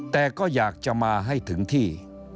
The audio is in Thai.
แต่ก็อยากจะมาให้ถึงที่